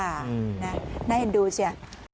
อืมนะได้เห็นดูเชียว